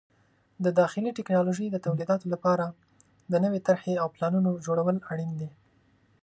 د داخلي ټکنالوژۍ د تولیداتو لپاره د نوې طرحې او پلانونو جوړول اړین دي.